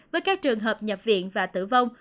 với các trường hợp nhập viện và tử vong